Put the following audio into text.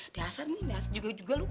diasar nih diasar juga lo